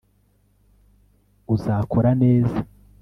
uzakora neza